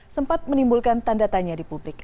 sempat menimbulkan tanda tanya di publik